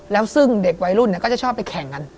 และซึ่งเด็กไวรุ่นชอบไปแข่งกัน